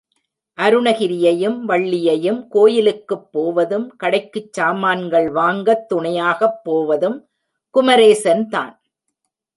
அருணகிரியையும், வள்ளியையும் கோயிலுக்குக் போவதும், கடைக்குச் சாமான்கள் வாங்க துணையாகப் போவதும் குமரேசன்தான்.